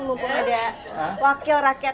mumpung ada wakil rakyat